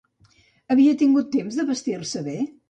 Havia tingut temps de vestir-se bé?